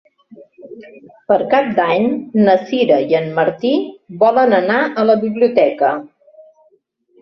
Per Cap d'Any na Sira i en Martí volen anar a la biblioteca.